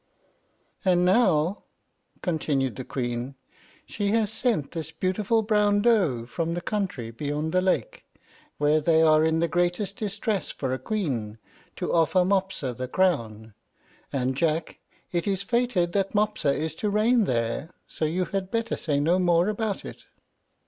"And now," continued the Queen, "she has sent this beautiful brown doe from the country beyond the lake, where they are in the greatest distress for a queen, to offer Mopsa the crown; and, Jack, it is fated that Mopsa is to reign there, so you had better say no more about it."